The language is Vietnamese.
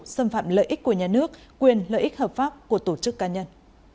xâm phạm lợi ích của nhà nước quyền lợi ích hợp pháp của tổ chức cá nhân